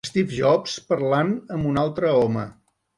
Steve Jobs parlant amb un altre home.